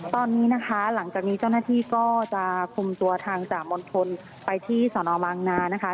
ตอนนี้นะคะหลังจากนี้เจ้าหน้าที่ก็จะคุมตัวทางจ่ามณฑลไปที่สนบางนานะคะ